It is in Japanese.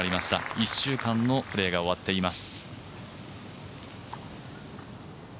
１週間のプレーが終わっています。